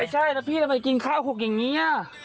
ใช่แล้วพี่ทำไมกินข้าวหกอย่างนี้